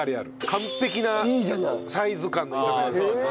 完璧なサイズ感の居酒屋です。